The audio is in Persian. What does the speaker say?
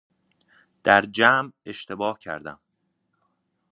در جمع اشتباه کردم